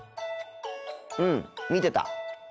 うん見てた。